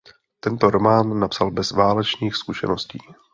Tento román napsal bez válečných zkušeností.